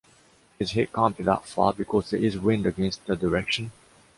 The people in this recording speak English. His hit can't be that far because there is wind against the direction.